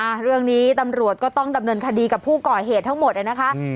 เรื่องนี้ตำรวจก็ต้องดำเนินคดีกับผู้ก่อเหตุทั้งหมดอ่ะนะคะอืม